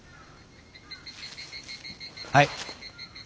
はい。